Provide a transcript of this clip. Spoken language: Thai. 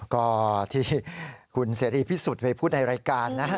ก็ที่คุณเศรษฐีพี่สุดไปพูดในรายการ